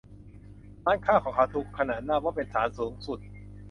ร้านค้าของเขาถูกขนานนามว่าเป็น ศาลสูงสุด